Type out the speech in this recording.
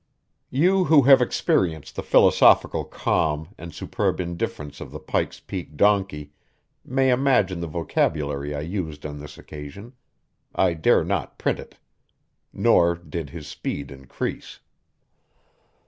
You who have experienced the philosophical calm and superb indifference of the Pike's Peak donkey may imagine the vocabulary I used on this occasion I dare not print it. Nor did his speed increase.